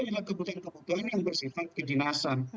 adalah kebutuhan kebutuhan yang bersifat kedinasan